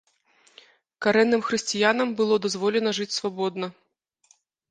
Карэнным хрысціянам было дазволена жыць свабодна.